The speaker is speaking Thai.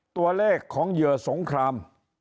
ตัวเลขของเหยื่อสงคราม